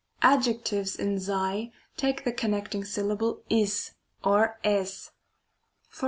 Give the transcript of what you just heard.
Adjectives in ^ take the connecting syllable ig 60 SECOND FOBM.